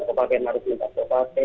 kepala pn harus minta sopate